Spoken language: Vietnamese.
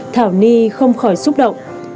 thảo ni không khỏi xúc động